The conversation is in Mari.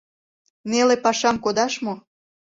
Неле пашам кодаш мо?